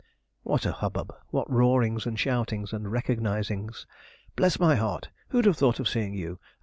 What a hubbub! what roarings, and shoutings, and recognizings! 'Bless my heart! who'd have thought of seeing you?'